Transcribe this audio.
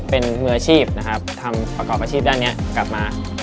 เป็นมืออาชีพนะครับทำประกอบอาชีพด้านนี้กลับมา